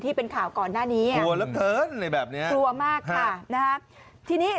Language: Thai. ที่เป็นข่าวก่อนหน้านี้